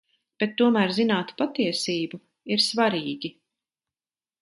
Bet tomēr zināt patiesību ir svarīgi.